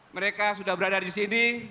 mereka sudah berada di sini